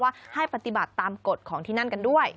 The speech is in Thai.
ให้ปฏิบัติตามกฎของที่นั่นกันด้วย